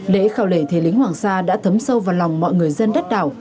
lễ khao lề thế lĩnh hoàng sa đã thấm sâu vào lòng mọi người dân đất đảo